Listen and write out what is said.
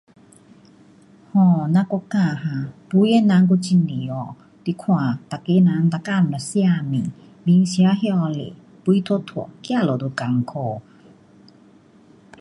um 咱国家哈，肥的人还很多哦，你看，每个人每天就吃面，面吃这么多，肥嘟嘟，走路都困苦。